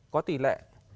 có tỷ lệ